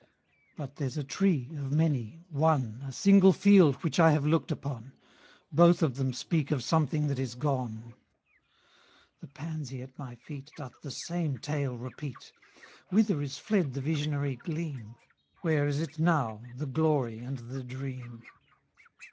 —But there's a tree, of many, one, A single field which I have look'd upon, Both of them speak of something that is gone: The pansy at my feet 55 Doth the same tale repeat: Whither is fled the visionary gleam? Where is it now, the glory and the dream?